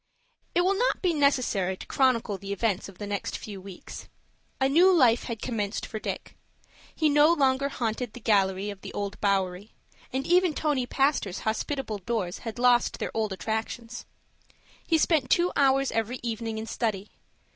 It will not be necessary to chronicle the events of the next few weeks. A new life had commenced for Dick. He no longer haunted the gallery of the Old Bowery; and even Tony Pastor's hospitable doors had lost their old attractions. He spent two hours every evening in study.